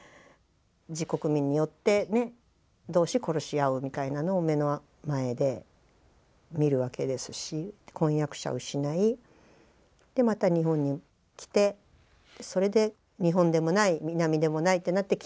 自国民によって同士殺し合うみたいなのを目の前で見るわけですし婚約者を失いまた日本に来てそれで日本でもない南でもないってなって北を信じた。